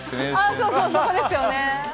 そうそう、そうですよね。